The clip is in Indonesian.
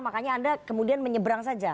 makanya anda kemudian menyeberang saja